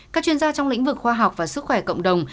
các chuyên gia trong lĩnh vực khoa học và sức khỏe cộng đồng